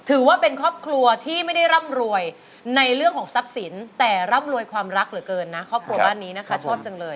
ถือว่าเป็นครอบครัวที่ไม่ได้ร่ำรวยในเรื่องของทรัพย์สินแต่ร่ำรวยความรักเหลือเกินนะครอบครัวบ้านนี้นะคะชอบจังเลย